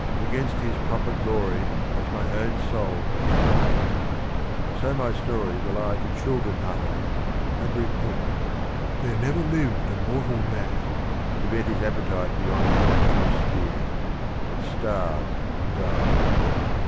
Against his proper glory I las my own soul conspired : so my story Will I to children utter, and repent. Fhcrc never liv'd a mortal man, who benl His appetite beyond his natural sphere, Hut starv'd and died.